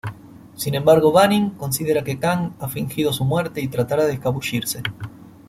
Sin embargo, Banning considera que Kang ha fingido su muerte y tratará de escabullirse.